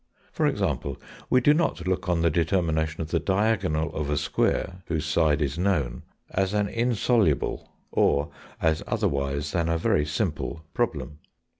For example, we do not look on the determination of the diagonal of a square (whose side is known) as an insoluble, or as otherwise than a very simple problem.